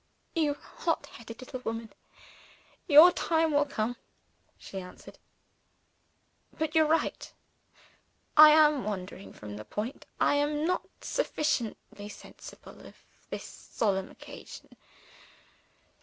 "You hot headed little woman, your time will come," she answered. "But you're right I am wandering from the point; I am not sufficiently sensible of this solemn occasion.